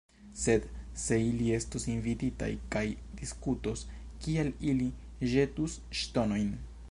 Sed, se ili estos invititaj kaj diskutos, kial ili ĵetus ŝtonojn?